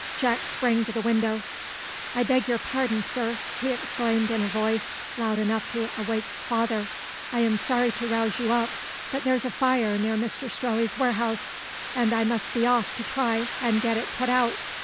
Jack sprang to the window. "I beg your pardon, sir," he exclaimed in a voice loud enough to awake his father; "I am sorry to rouse you up, but there's a fire near Mr Strelley's warehouse, and I must be off to try and get it put out.